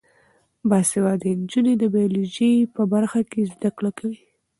باسواده نجونې د بیولوژي په برخه کې زده کړې کوي.